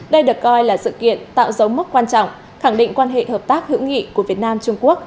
đây được coi là sự kiện tạo dấu mức quan trọng khẳng định quan hệ hợp tác hữu nghị của việt nam trung quốc